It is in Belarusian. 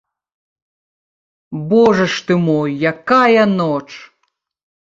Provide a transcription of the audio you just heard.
Божа ж ты мой, якая ноч!